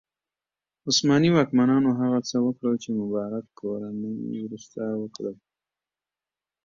عثماني واکمنانو هغه څه وکړل چې مبارک کورنۍ وروسته وکړل.